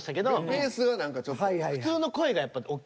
ベースが何かちょっと。